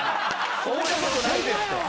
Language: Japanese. そんなことないですって。